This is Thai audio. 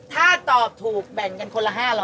ถ้าตอบถูกแบ่งกันคนละ๕๐๐